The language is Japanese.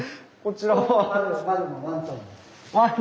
こちらは？